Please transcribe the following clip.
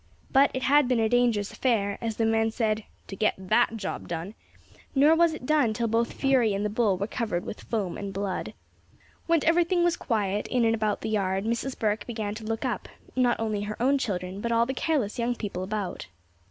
But it had been a dangerous affair, as the men said, "to get that job done;" nor was it done till both Fury and the bull were covered with foam and blood. When everything was quiet in and about the yard, Mrs. Burke began to look up, not only her own children, but all the careless young people about.